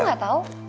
kok lo gak tau